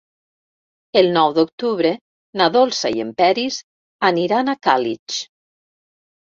El nou d'octubre na Dolça i en Peris aniran a Càlig.